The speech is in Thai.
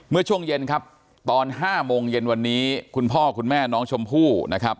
เมื่อช่วงเย็นครับตอน๕โมงเย็นวันนี้คุณพ่อคุณแม่น้องชมพู่นะครับ